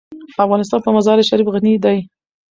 افغانستان په مزارشریف غني دی.